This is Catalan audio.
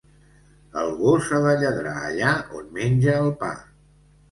El gos ha de lladrar allà on menja el pa.